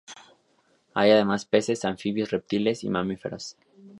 Hay además peces, anfibios, reptiles y mamíferos.